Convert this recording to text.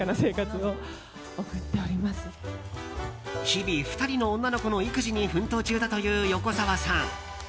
日々２人の女の子の育児に奮闘中という横澤さん。